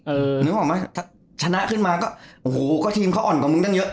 นึกออกไหมถ้าชนะขึ้นมาก็โอ้โหก็ทีมเขาอ่อนกว่ามึงตั้งเยอะ